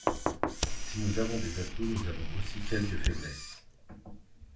Si nous avons des atouts, nous avons aussi quelques faiblesses.